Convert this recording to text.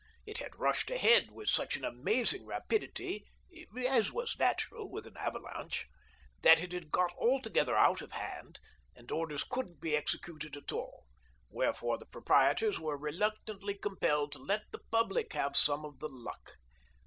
It had rushed ahead with such amazing rapidity (as was natural with an avalanche) that it had got altogether out of hand, and orders couldn't be executed at all ; wherefore the pro 158 THE DOERINGTON DEED BOX prietors were reluctantly compelled to let the public have some of the luck.